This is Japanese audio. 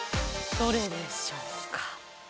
どれでしょうか？